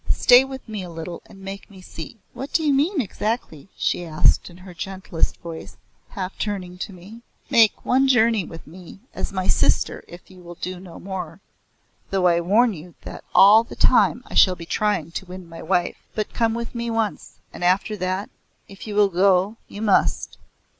Stay with me a little and make me see." "What do you mean exactly?" she asked in her gentlest voice, half turning to me. "Make one journey with me, as my sister, if you will do no more. Though I warn you that all the time I shall be trying to win my wife. But come with me once, and after that if you will go, you must.